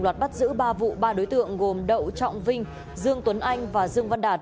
loạt bắt giữ ba vụ ba đối tượng gồm đậu trọng vinh dương tuấn anh và dương văn đạt